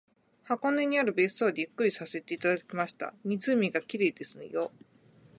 箱根にある別荘でゆっくりさせていただきました。湖が綺麗ですのよ